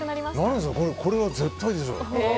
これは絶対ですよ。